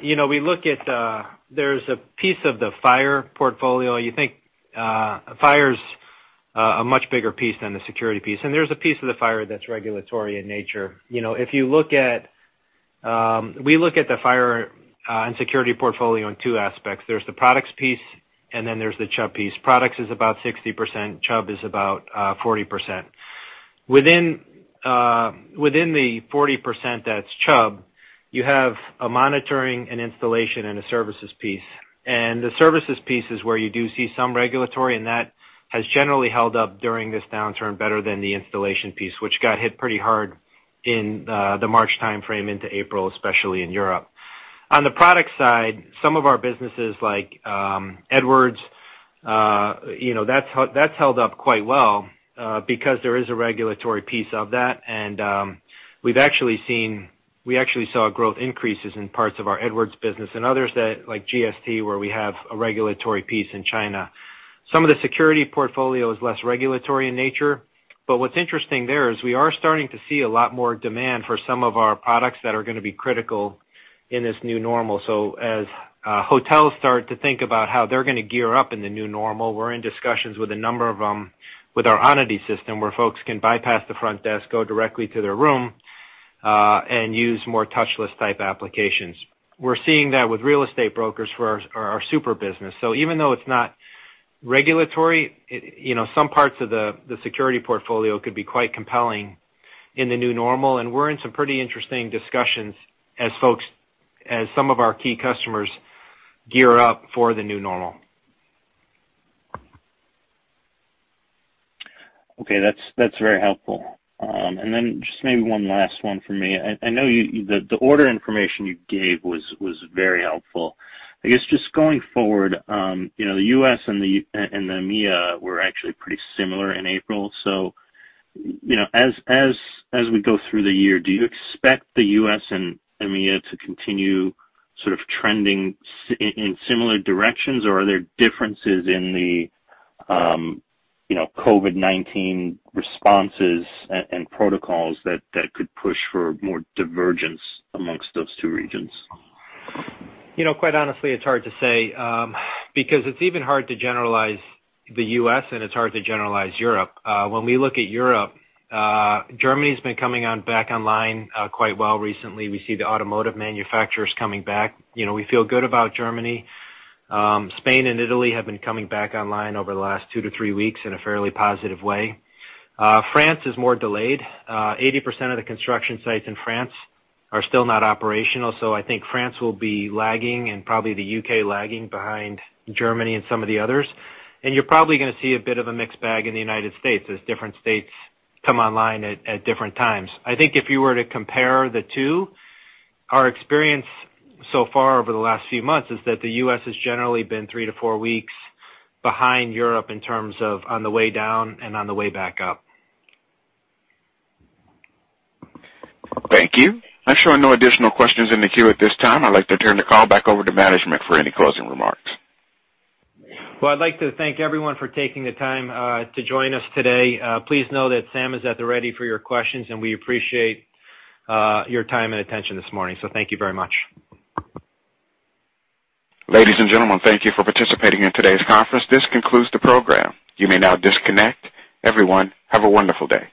There's a piece of the fire portfolio. You think fire's a much bigger piece than the security piece. There's a piece of the fire that's regulatory in nature. We look at the fire and security portfolio in two aspects. There's the products piece, and then there's the Chubb piece. Products is about 60%, Chubb is about 40%. Within the 40% that's Chubb, you have a monitoring, an installation, and a services piece. The services piece is where you do see some regulatory, and that has generally held up during this downturn better than the installation piece, which got hit pretty hard in the March timeframe into April, especially in Europe. On the product side, some of our businesses like Edwards, that's held up quite well because there is a regulatory piece of that. We actually saw growth increases in parts of our Edwards business and others like GST, where we have a regulatory piece in China. Some of the security portfolio is less regulatory in nature. What's interesting there is we are starting to see a lot more demand for some of our products that are going to be critical in this new normal. As hotels start to think about how they're going to gear up in the new normal, we're in discussions with a number of them with our Onity system, where folks can bypass the front desk, go directly to their room, and use more touchless type applications. We're seeing that with real estate brokers for our Supra business. Even though it's not regulatory, some parts of the security portfolio could be quite compelling in the new normal, and we're in some pretty interesting discussions as some of our key customers gear up for the new normal. Okay, that's very helpful. Then just maybe one last one for me. I know the order information you gave was very helpful. I guess just going forward, the U.S. and the EMEA were actually pretty similar in April. As we go through the year, do you expect the U.S. and EMEA to continue sort of trending in similar directions? Or are there differences in the COVID-19 responses and protocols that could push for more divergence amongst those two regions? Quite honestly, it's hard to say because it's even hard to generalize the U.S. It's hard to generalize Europe. When we look at Europe, Germany's been coming back online quite well recently. We see the automotive manufacturers coming back. We feel good about Germany. Spain and Italy have been coming back online over the last two to three weeks in a fairly positive way. France is more delayed. 80% of the construction sites in France are still not operational. I think France will be lagging and probably the U.K. lagging behind Germany and some of the others. You're probably going to see a bit of a mixed bag in the United States as different states come online at different times. I think if you were to compare the two, our experience so far over the last few months is that the U.S. has generally been three to four weeks behind Europe in terms of on the way down and on the way back up. Thank you. I'm showing no additional questions in the queue at this time. I'd like to turn the call back over to management for any closing remarks. Well, I'd like to thank everyone for taking the time to join us today. Please know that Sam is at the ready for your questions, and we appreciate your time and attention this morning. Thank you very much. Ladies and gentlemen, thank you for participating in today's conference. This concludes the program. You may now disconnect. Everyone, have a wonderful day.